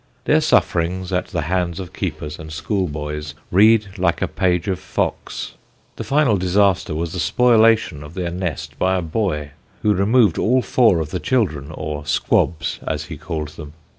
Their sufferings at the hands of keepers and schoolboys read like a page of Foxe. The final disaster was the spoliation of their nest by a boy, who removed all four of the children, or "squabs" as he called them.